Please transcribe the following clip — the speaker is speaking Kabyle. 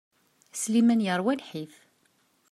Sliman yerwa lḥif.